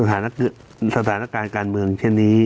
สถานการณ์การเมืองเช่นนี้